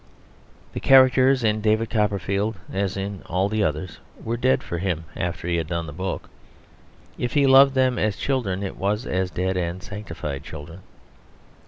The characters in David Copperfield, as in all the others, were dead for him after he had done the book; if he loved them as children, it was as dead and sanctified children.